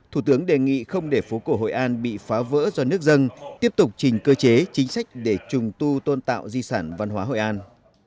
thủ tướng đề nghị không để phố cổ hội an bị phá vỡ do nước dân tiếp tục trình cơ chế chính sách để trùng tu tôn tạo di sản văn hóa hội an